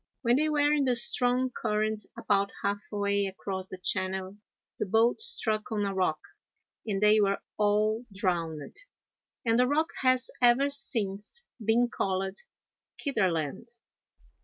When they were in the strong current about half way across the channel, the boat struck on a rock and they were all drowned, and the rock has ever since been called Kitterland.